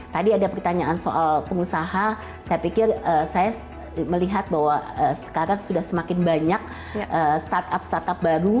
tadi ada pertanyaan soal pengusaha saya pikir saya melihat bahwa sekarang sudah semakin banyak startup startup baru